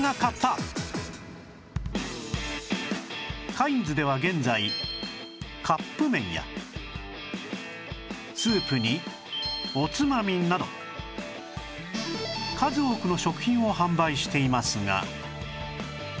カインズでは現在カップ麺やスープにおつまみなど数多くの食品を販売していますが